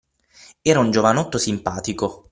Era un giovanotto simpatico.